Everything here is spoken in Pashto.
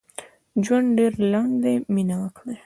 ژوند ډېر لنډ دي مينه وکړئ